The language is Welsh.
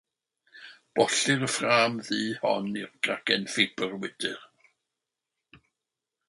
Bolltir y ffrâm ddur hon i'r gragen ffibr wydr.